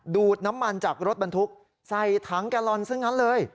ดูดน้ำมันจากรถบรรทุกใส่ถังแกลลอนซะงั้นเลย